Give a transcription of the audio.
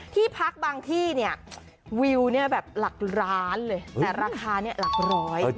ที่พักบางที่เนี่ยวิวเนี่ยแบบหลักล้านเลยแต่ราคาเนี่ยหลักร้อย